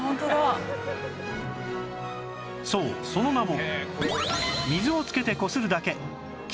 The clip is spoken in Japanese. そうその名も